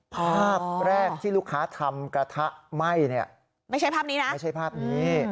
ภาพแรกที่ลูกค้าทำกระทะไหม้เนี่ยไม่ใช่ภาพนี้นะไม่ใช่ภาพนี้